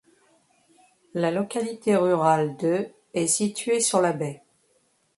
La localité rurale de est située sur la baie.